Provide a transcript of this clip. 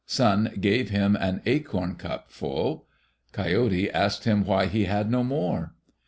Sun gave him an acorn cup full. Coyote asked him why he had no more.